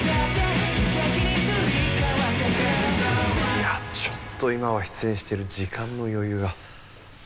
いやちょっと今は出演してる時間の余裕が。